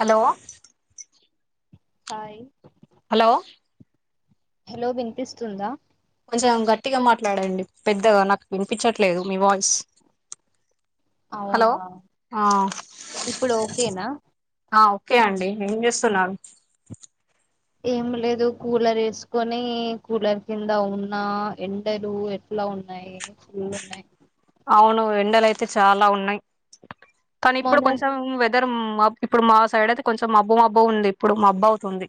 Hello hi hello hello వినిపిస్తుందా? కొంచెం గట్టిగ మాట్లాడండి పెద్దగా, నాకు వినిపిచట్లేదు మీ వాయిస్. హలో అవునా, ఆ ఇప్పుడోకేనా కే అండి ఏం జేస్తున్నారు? ఏం లేదు కూలరేసుకొని కూలర్ కింద ఉన్నా ఎండలు ఎట్ ట్ల ఉన్నయి ఫుల్లున్నయి. అవును ఎండలయితే చాలా ఉన్నయి, కనీప్పుడు మొన్న కొంచెం వెదర్ మబ్ ఇప్పుడు మా సైడయితే కొంచెం మబ్బు మబ్బుగుంది ఇప్పుడు మబ్బవుతుంది.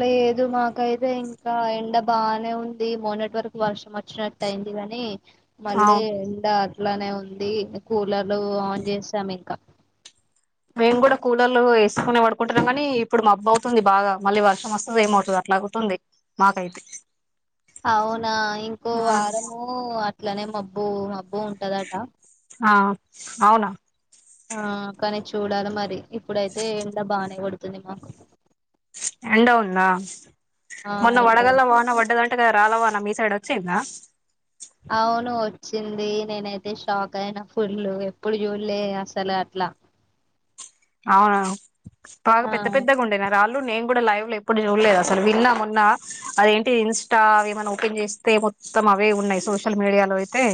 లేదు మాకైతే ఇంకా ఎండ బానే ఉంది, మొన్నటి వరకు వర్షం వచ్చినటైన్ ఉందిగనీ ఆ మళ్ళీ ఎండ అట్లనే ఉంది, కూలర్లు ఆన్ చేసామింకా మేము గూడ కూలర్లు వేసుకునే పడుకుంటున్నాం గనీ ఇప్పుడు మబ్బవుతుంది బాగా, మళ్ళీ వర్షమొస్తదేమో చూడ అట్లా అగుతుంది మాకైతే అవునా ఇంకో ఆ వారము అట్లనే మబ్బూ మబ్బు బ్బు వుంటదట ఆ అవునా ఆ కనీ చూడాల మరి ఇప్పుడైతే ఎండ బానే గొడుతుంది మాకు. ఎండ ఉందా ఆ మొన్న ఎండ వడగల్ల ఉంది. వాన బడ్డదంట గద రాళ్ళ వాన, మీ సైడోచ్చిందా? అవును ఒచ్ వచ్చింది నేనైతే షాక్ అయిన ఫుల్లు ఎప్పుడు చూడలే అసలు అట్లా అవును బాగా ఆ పెద్ద పెద్దగా ఉండన రాళ్లు నే కూడా లైవ్ లో ఎప్పుడు చూడలేదు అసలు విన్నా మొన్న అదేంటి ఇన్స్టా ఏమన్నా ఓపెన్ చేస్తే మొత్తం అవే ఉన్నాయి సోషల్ మీడియాలో అయితే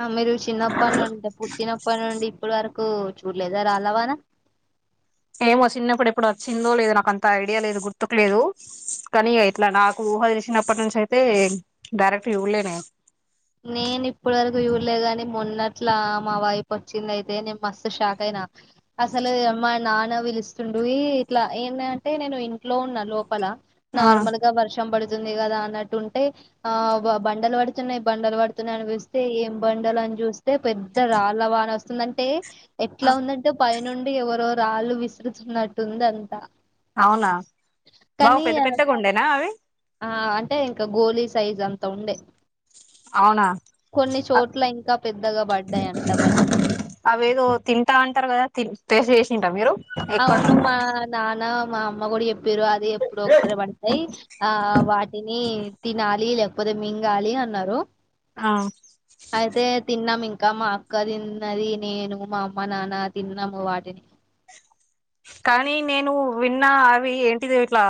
ఆ మీరు చిన్నప్పటి నుండి పుట్టినప్పటి నుండి ఇప్పడు వరకు కు చూడలేద రా అలావానా ఏమో చిన్నప్పుడు ఎప్పుడు వచ్చిందో లేద నాకు అంత ఐడియా లేదు గుర్తుకు లేదు కానీ ఇట్లా నాకు ఊహ తెలిసినప్పటి నుంచి అయితే డైరెక్ట్ చూడలే నేను నేను ఇప్పడు వరకు చూడలేదు గానీ మొన్నట్లా మా వైపు వచ్చింది అయితే నేను మస్తు షాక్ అయినా అసలు మా నాన్న పిలుస్తుండ ఇట్లా ఏంటంటే నేను ఇంట్లో ఉన్నా లోపల ఆ నార్మల్ గా వర్షం పడుతుంది కదా అన్నట్టుంటే ఆ బండలు పడుతున్నాయి బండలు పడుతున్నాయ అనిపిస్తే ఏం బండలు అని చూస్తే పెద్ద రాళ్ళ వాన వస్తుందంటే ఆ, ఎట్లా ఉందంటే పైనుండి ఎవరో రాళ్ళు విసురుతుున్నట్టుంది అంట అవునా బాగా కానీ పెద్ద పెద్దగా ఉండేనా అవి అ అంటే ఇంకా గోలీ సైజ్ అంతా ఉండే కొన్ని చోట్ల ఇంకా పెద్ద అవి అవో తింటా అంటారు కదా టేస్ట్ చేశిండ్రా మీరు ఎక్కడ అవును మా నానా మా అమ్మ కూడాడి ఎ పెరు అది ఎప్పుడు ఒకసారి పడతాయి ఆ వాటిని తినాలి లేకపోతే మింగాలి అన్నారు హా తిన్నాము ఇంకా మా అక్క తిన్నది నేను మా అమ్మ నాన్న తిన్నాము వాటిని కానీ నేను విన్నా అవి ఏంటిది ఇట్లా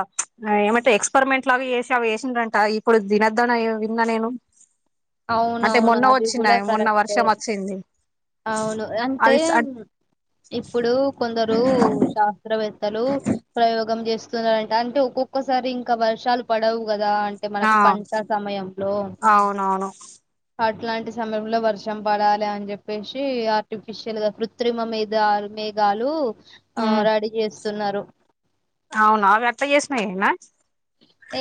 ఏమంటే ఎక్స్పరిమెంట్ లాగా చేసి అవి ంట ఇప్పుడు దినధన విన్నా నేను అంటే అవునవును మొన్న అది కూడా వచ్చినాయి మొన్న కరెక్ట్ వర్షం వచ్చింది అవును అంటే అది ఇప్పుడు కొందరుా శాస్త్రవేత్తలు ప్రయోగం చేస్తున్నంటే అంటే ఒక్కొక్కసారి ఇంకా వర్షాలు పడవు కదా అంటే ఆ మనకు పంట సమయంలో అవునవును అట్లాంటి సమయంలో వర్షం పడాలి అని చెప్పేసి ఆర్టిఫిషియల్ గా కృత్రిమ మీద మేఘాలు ఆ రెడీ చేస్తున్నారు అవునావిత్త చేసినయి ఏమ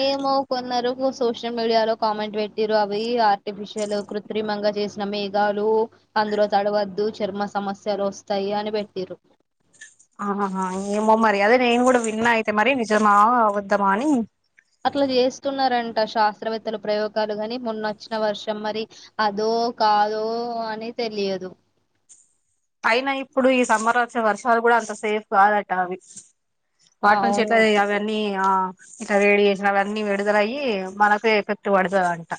ఏమో కొన్నారురు సోషల్ మీడియా లో కామెంట్ పెట్టిరు అవి ఆర్టిఫిషియల్ కృత్రిమంగా చేసిన మేఘాలు అందులో తడవద్దు చర్మ సమస్యలు వస్తాయి అని పెట్టిరు ఆహా ఏమో మరి అదే నేను కూడా విన్నా అయితే మరి నిజమా వ అబద్ధమా అని అట్లా చేస్తున్నారంట శాస్త్రవేత్తలు ప్రయోగాలు గాని ముొన్న వచ్చిన వర్షం మరి అదో ఓ కాద అని తెలియదు అయినా ఇప్పుడు ఈ సంమ్మర్ వచ్చే వర్షాలు కూడా అంత సేఫ్ కాదంట అవి వాటి నుంచి ఎట్లా అవును అవన్నీ అ రేడియేషన్ అవన్నీ విడుదల అయి మనకే ఎఫెక్ట్ పడుతుందట.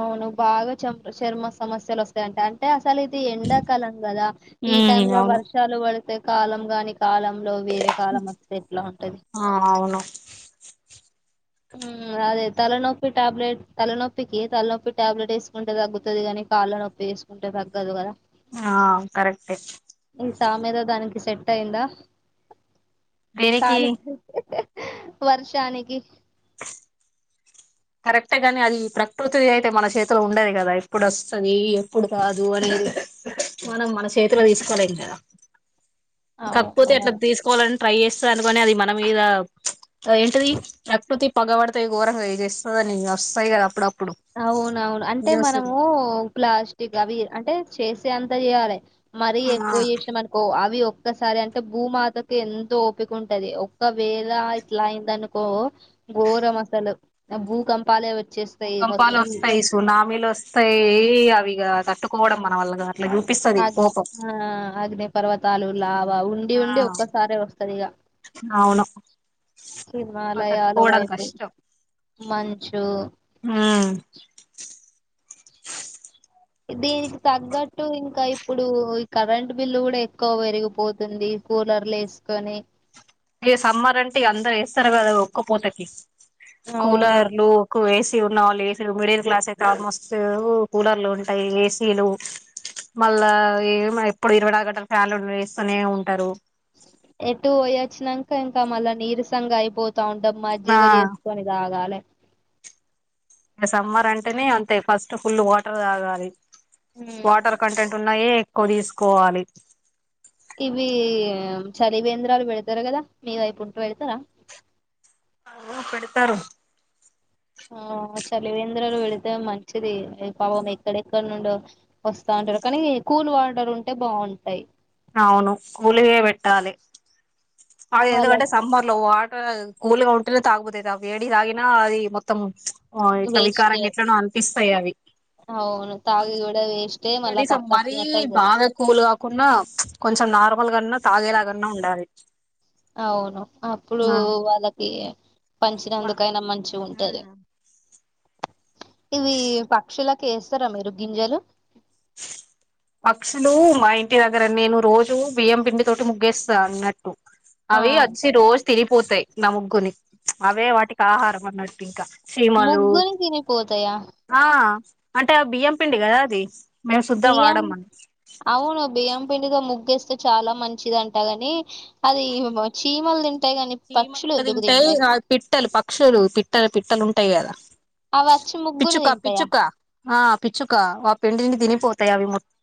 అవును బాగా చ చర్మ సమస్యలు వస్తాయంటే అంటే అసలు ఇది ఎండాకాలం కదా ఈ ఉమ్ టైమ్ లో అవును వర్షాలు పడితే కాలం గాని కాలం లో వేరే కాలం వస్తే ఎట్లా ఉంటది ఆ అవును ఉ అదేతే తలనొప్పి టాబ్లెట్ తలనొప్పికి తలనొప్పి టాబ్లెట్ వేసుకుంటే తగ్గుతుంద కాని కాళ్ళ నొప్పిేసుకుంటే త తగ్గదు కదా ఆ కరెక్ట్ే ఈ సామెత దానికి సెట్ అయిందా దీనికి కానీ వర్షానికి కరెక్టే గాని అది ప్రకృతి అయితే మన చేతిలో ఉండేది కదా ఎప్పుడు వస్తుంది ఎప్పుడు కాదు అని మనం మన చేతిలో తీసుకోవలేం కదా కాకపోతే అవును ఎట్లా తీసుకోవాలని ట్రై చేస్తారు అనుకని అది మన మీద ఏంటిది ప్రకృతి పగబడితే ఈ ఘోరంగ ఇది చేస్త పస [unintelligible] అవునవును అంటే మనము ప్లాస్టిక్ అవి అంటే చేసే అంత చేయాలి మరీ ఆ ఎక్కువ చేసినం అనుకో అవి ఒక్కసారి అంటే భూమాతకు ఎంతో ఓపిక ఉంటది ఒక్కవేళ ఇట్లా అయిందనుకో ఘోరమసలు భూకంపాలే వచ్చేస్తాయి మొత్తం భూకంపాలు వస్తాయి సునామీలు వస్తాయి అవిఇగ తట్టుకోవడం మన వల్ల కాదు అట్లా చూపిస్తది అగ్ కోపం ఆ అగ్ని పర్వతలు లావ అ ఉండి ఆ ఉండి ఒక్కసారే వస్తది ఇక అవును అది హిమాలయాళ తట్టుకోవడం వైపు కష్టం మంచు ఉమ్ దీనికి తగ్గట్టు ఇంకా ఇప్పుడు ఈ కరెంట్ బిల్లు కూడా ఎక్కువ పెరిగిపోతుంది కూలర్లు వేసుకొని ఇ సమ్మర్ అంటే అందరు వేస్తారు కదా ఉక్క పూతకి అవును. కూలర్లు ఎక్కువ వే ఉన్నవాళ్ళు ఏసీలు మిడిల్ క్లాస్ అయితే ఆల్మోస్ట్ కూలర్లు ఉంటాయి ఏసీ లు మళ్ళా ఏ ఎప్పుడు ఇరవై నాలుగు గంటలు ఫ్యాలు వేస్తూనే ఉంటారు వచ్చినంక ఇంకా మళ్ళా నీరసంగా అయిపోతా ఉంటం ఆ మజ్జిగా చేసుకొని తాగాలి సమ్మర్ అంటేనే అంతే ఫస్ట్ ఫుల్ వాటర్ తాగాలి ఉమ్ వాటర్ కంటెంట్ ఉన్నాయే ఎక్కువ తీసుకోవాలి ఇవి చలివేంద్రాలు పెడతారు కదా మీ వైపు ఉంటూ పెడతరా అ పెడతారు ఆ చలివేంద్రలు పెడితే మంచిది పాపం ఎక్కడెక్కడ నుండో వస్తా ఉంటారు కానీ కూల్ వాటర్ ఉంటే బాగుంటాయి అవును కూల్ యే పెట్టాలి అది వాళ్ళ ఎందుకంటే సమ్మర్ లో వాటర్ కూల్గా ఉంటేనే తాగబుద్దయిది ఆ వేడి తాగినా అది మొత్తం ఇట్లా వేస్టే వికారంగా ఎట్నో అనిపిస్తది అవును తాగి కూడా వేస్టే మళ్ళా కనీసం మరి కక్కచ్చినట్టు అయితది బాగా కూలుగా కున్నా కొంచెం నార్మల్ గా అన్నా తాగేలాగాన్నా ఉండాలి అవును అప్పుడు ఆ వాళ్ళకి పంచినందుకైనా మంచిగ ఉంటది ఇవి పక్షులకి వేస్తారా మీరు గింజలు పక్షులు మా ఇంటి నేను రోజు బియ్యం పిండి తోటి ముగ్గేస్తాను అన్నట్టు ఆ అవి వచ్చి రోజు తిని పోతయి పోతాయి నా ముగ్గుని అవే వాటికి ఆహారం అన్నట్టు ఇంకా చీమలు ముగ్గుని తినిపోతాయా ఆ అంటే ఆ బియ్యం పిండి కదా అది మేము సుద్ధ బియ్యం వాడమని అవును బియ్యం పిండితో ముగ్గేస్తే చాలా మంచిది అంటాగాని అది చీమలు తింట చీమలు కూడా తింటాయి పిట్టలు పక్షులు పిట్టలు పిట్టలు ఉంటాయి కదా అవి వచ్చి ముగ్గుని పిచ్చుక తింటాయా పిచ్చుక ఆ పిచ్చుకా ఆ పిండిని తినిపోతాయి అవి మొత్తం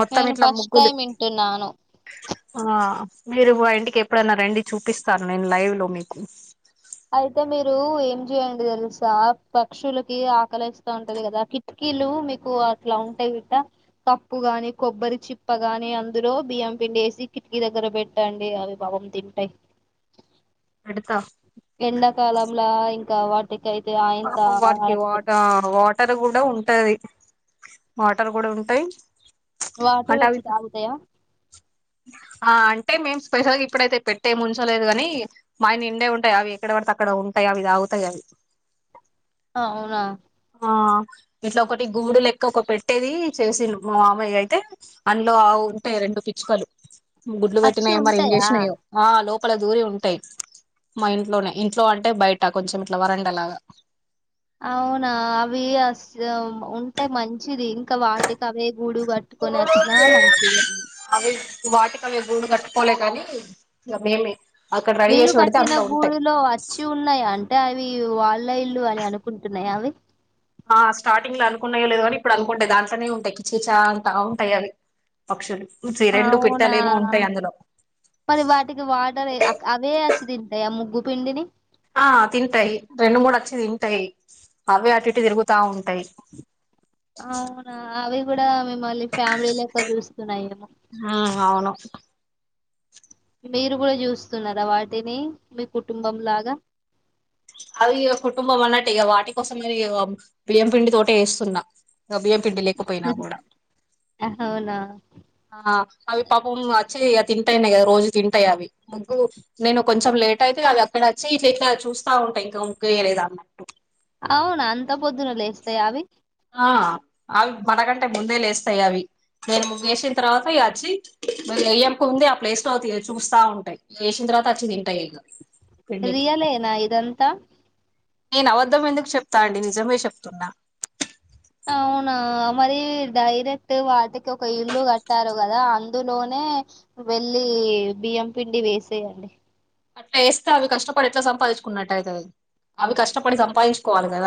మొత్తం నేను ఇట్లా ఫస్ట్ ముగ్గులు టైం వింటున్నాను ఆ మీరు ఇంటికి ఎప్పుడైనా రండి చూపిస్తాను నేను లైవ్ లో మీకు అయితే మీరు ఏం చెయండి తెలుసా పక్షులకి ఆకలి వేస్తా ఉంటది కదా కిటికీ మీకు అట్లా ఉంటాయి గద కప్పు గాని కొబ్బరి చిప్ప గాని అందులో బియ్యం పిండి వేసి కిటికీ దగ్గర పెట్టండి అవి పాపం తింటాయి పెడతా ఎండాకాలంలా ఇంకా వ పాపం వాటికి వాట వాటర్ కూడా ఉంటాది వాటర్ కూడా ఉంటాయి వాటర్ అంటే అవి వచ్చి తాగుతయా ఆ అంటే మేము స్పెషల్గ ఇప్పుడైతే పెట్టే ముంచలేదు కాని మాయి నిండే ఉంటాయి అవి ఎక్కడ పడితే అక్కడ ఉంటాయి ఇగ ఆవి దవుత గవి ఆ అవునా ఆ ఇట్లా ఒకటి గుూడు లెక్క ఒక పెట్టేది చేసిండ్. మా మామయ్య అయితే అంద్లో అవ్ ఉంటాయి రెండు పిచ్చుకలు, గుడ్లు అచ్చి పెట్టినాయో మరి ఏం ఉంటాయా చేసినాయో. ఆ లోప్ లోప్పల దూరి ఉంటాయ్. మా ఇంట్లోనే ఇంట్లో అంటే బయట కొంచెం ఇట్లా వరండలాగా. అవునా అవి అస్ ఉంటే మంచిది. ఇంకా వాట్ టికవే గూడు కట్టుకొని అచ్చినా మంచిదే. వాటికవే గూడు కట్టుకోలే గాని. ఇగ మేమే అక్కడ రెడీ మీరు చేసి పెడితే కట్టిన అందులో ఉంటాయి గూడులో వచ్చి ఉన్నాయా. అంట్ టే అవి వాళ్ ఇళ్ళు అని అనుకుంటున్నాయా. అవి ఆ స్టార్టింగ్ లో అనుకున్నాయో లేదో గానీ. ఇప్పుడు అనుకుంటాయ్. దాంట్లనే ఉంటాయ్ కిచ్ కిచా అంటా ఉంటాయి అవి. పక్షులు రెండు అవునా పిట్టలు ఏమో ఉంటాయి అందులో మరి వాటికి వాటర్ ఏ అక్ అవే వచ్చి. దిన్ టాయ. ముగ్గు పిండిని ఆ తింటాయి. రెండు మూడు అచ్చి తింటాయ్. అవే అటిటు తిరుగుతా ఉంటాయ్. అవునా అవి గూడా మిం మళ్ళీ ఫ్యామిలీ లెక్క చూస్కున్నాయేమో. ఉమ్ అవును మీరు గూడా చూస్తున్నారా. వాటిని మీ కుటుంబంలాగా? అవీగా కుటుంబం అన్నట్టిగా వాటి కోసం ఇగ బియ్యం పిండి తోటి ఏస్తున్నా. బియ్యంపిండి లేకపోయినా గూడా. అవునా ఆ అవి పాపం ఆ చ్చి ఇగ తింటాయిన్నాయిగాదా. రోజు తింటాయి అవి ముగ్గు నేను కొంచెం లేట్ అయితే. అవి అక్కడ అచ్చి ఇట్లీట చూస్ స్తా ఉంటాయి. ఇంకా ముగ్గేయలేద అన్నట్టు. అవునా అంత పొద్దున లేస్తాయా. అవి ఆ అవి మనగంటే ముందే లేస్తాయి. అవి నేను ముగ్గేసిన తర్వాత ఇగ అచ్చి. మల్లె ఎయం కుముందే. ఆ ప్లేస్ లో తి చూస్తా ఉంటాయ్ ఏసిన్ తర్వాతాచ్చి తింటాయిగా. రియ్యలేనా ఇదంతా? నేను అబద్ధం ఎందుకు చెప్తా అండి. నిజమే చెప్తున్నా. అవునా మరి డైరెక్ట్ వాటికే ఒక ఇల్లు కట్టారు గాదా. అందులోనే ఆ వెళ్లి బియ్యం పిండి వేసేయండి. అట్లా ఏస్తే అవి కష్టపడి ఎట్లా సంపాదించుకున్నట్ అయితది. అవి కష్టపడి సంపాదించుకోవాలి గాద.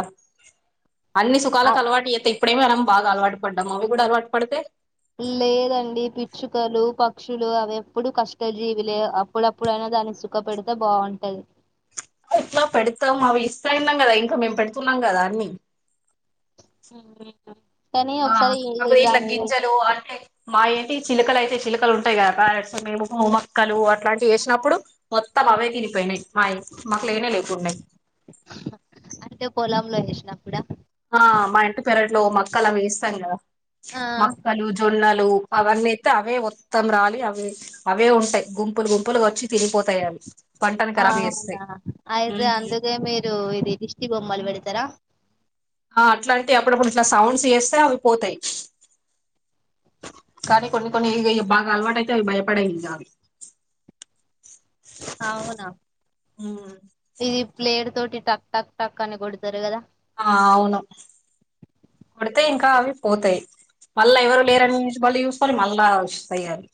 అన్ని ఆ, సుఖాలకలవాటు చేతే. ఇప్పుడే మనం బాగా అలవాటు పడ్డాం. అవి కూడా అలవాటు పడుతే లేదండి పిచ్చుకలు, పక్షులు అవి ఎప్పుడుూ కష్టజీవిలే, అప్పుడప్పుడైనా. దాని సుఖపెడితే బాగుంటది. ఎట్లా పెడతాము అవి ఇస్తయిన్నాం కదా. ఇంకా మేము పెడుతున్నాం గాదా. అన్ని [unintelligible] ఆ ఒకసారి అవే ఈ- ఇట్లా దాని గింజలు అంటే. మా ఏంటి చిలకలు అయితే ఇష్ చిలకలు ఉంటాయి గా. ప్యారెట్స్, మేము మొక్కలు అట్లాంటివి వేసినప్పుడు మొత్తం. అవే తినిపోయినాయ్. మాయ్ మాకు లేనే లేకుడ్న్నాయి. హా అంటే పొలంలో ఏసినాం ఆ మా ఇంటి పెరట్లో మక్కలు అవి ఏస్తాం గదా. ఆ మొక్కలు, జొన్నలు, అవన్నీ యేతే అవే మొత్తం. రాలి అవే అవే ఉంటాయి. గుంపులు గుంపులు వచ్చి తినిపోతాయి అవి. పంటను ఆ ఖరాబ్ చేస్తాయి అవునా అయితే అందుకే మీరు ఇది దిష్టి బొమ్మలు పెడతారా. ఆ అట్లా అంటే. అప్పుడప్పుడు ఇట్లా సౌండ్స్ చేస్తే అవి పోతాయ్. కానీ కొన్ని కొన్ని ఇగ బాగా అలవాటుయితే అవి భయపడయిగా. అవి చే ఉమ్ అవునా. ఇది ప్లేట్ తోటి టక్ టక్ టక్ అని కొడతారు కదా. ఆ అవును కొడితే ఇంకా అవి పోతాయ్. మళ్ళా ఎవరు లేరని మళ్ళీ చూసుకొని మళ్ళా అయ్యాలి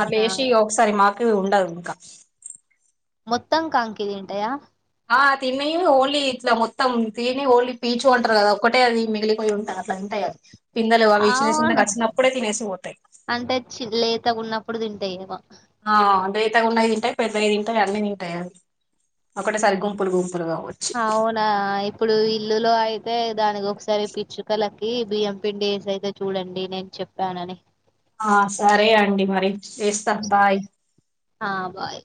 అ చేసి ఒకసారి మాకువి ఉండదు ఇంకా మొత్తాం కంకిదింటాయ ఆ తిని ఓన్లీ ఇట్లా మొత్తం తిని ఓన్లీ పీచ్ ఉంటారు కదా ఒక్కటే అది మిగిలిపోయి ఉంటారు అట్లాంట పిందలు అవి చిన్న చిన్నగా అవునా వచ్చినప్పుడే తినేసి పోతాయి అంటే చి లేతగా ఉన్నప్పుడు తింటాయేమో ఆ లేతగా ఉన్నయి తింటాయి పెద్దగా తింటాయి అన్నీ తింటాయి ఒకటే సరి గుంపులు గుంపు అవునా ఇప్పుడు ఇల్లులో అయితే దానికి ఒకసారి పిచ్చుకలకి బిఎంపిి డేస్ అయితే చూడండి నేను చెప్పానని ఆ సరే అండి మరి చేస్తాం బాయ్ ఆ బాయ్